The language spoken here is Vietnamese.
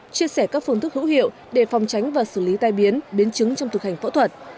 chia sẻ các phương thức hữu hiệu để phòng tránh và xử lý tai biến biến chứng trong thực hành phẫu thuật